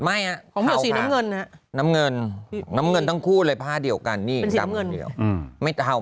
ไม่เทาค่ะน้ำเงินน้ำเงินทั้งคู่เลยผ้าเดียวกันนี่สีดำหนึ่งเดียว